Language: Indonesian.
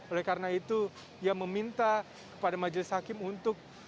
oleh karena itu ia meminta kepada majelis hakim untuk